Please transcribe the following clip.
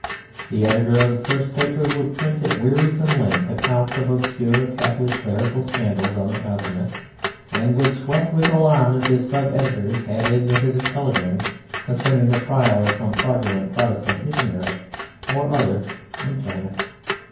The editor of the first paper would print at wearisome length accounts of obscure Catholic clerical scandals on the Continent, and would sweat with alarm if his sub editors had admitted a telegram concerning the trial of some fraudulent Protestant missionary or other in China.